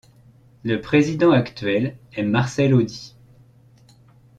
Le président actuel est Marcel Audy.